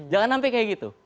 jangan sampai kayak gitu